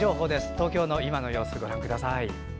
東京の今の様子ご覧ください。